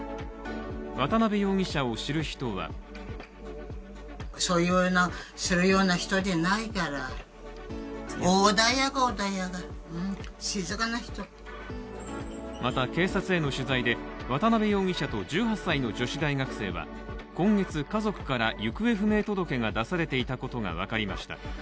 渡邉容疑者を知る人はまた、警察への取材で渡邉容疑者と１８歳の女子大学生は今月、家族から行方不明届が出されていたことが分かりました。